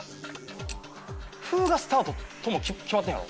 「ふ」がスタートとも決まっへんわ。